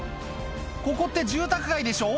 ここって住宅街でしょう